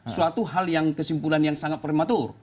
suatu hal yang kesimpulan yang sangat prematur